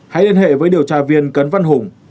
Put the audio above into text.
hãy liên hệ với điều tra viên cấn văn hùng